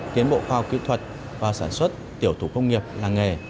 tiến bộ khoa học kỹ thuật vào sản xuất tiểu thủ công nghiệp làng nghề